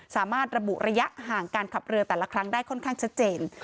สามารถระบุระยะห่างการขับเรือแต่ละครั้งได้ค่อนข้างชัดเจน